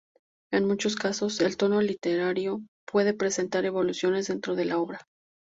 En muchos casos, el tono literario puede presentar evoluciones dentro de la obra.